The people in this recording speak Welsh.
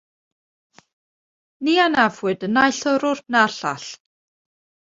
Ni anafwyd y naill yrrwr na'r llall.